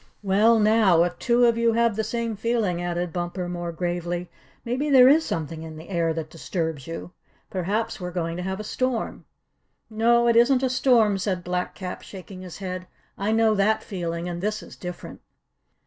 "Well, now, if two of you have the same feeling," added Bumper more gravely, "maybe there is something in the air that disturbs you. Perhaps we're going to have a storm." "No, it isn't a storm," said Black Cap, shaking his head. "I know that feeling, and this is different."